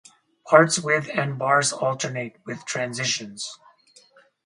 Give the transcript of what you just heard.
Parts with and bars alternate, with transitions.